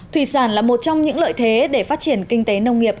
thủy sản là một trong những lợi thế để phát triển kinh tế nông nghiệp